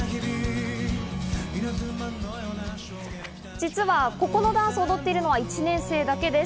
実はここのダンスを踊っているのは１年生だけです。